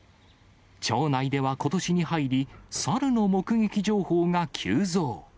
町内ではことしに入り、猿の目撃情報が急増。